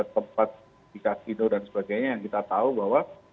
tempat di kasino dan sebagainya yang kita tahu bahwa